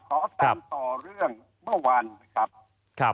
ขอตามต่อเรื่องเมื่อวานนะครับ